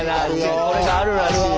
これがあるらしいね。